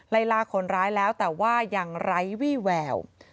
ลาคนร้ายแล้วแต่ว่ายังไร้วี่แวว